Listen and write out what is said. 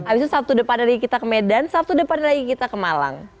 abis itu sabtu depan hari kita ke medan sabtu depan lagi kita ke malang